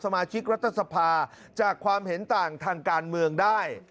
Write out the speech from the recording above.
มาชิกรัฐสภาจากความเห็นต่างทางการเมืองได้